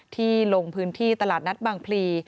ลงพื้นที่ตลาดนัดบางพลี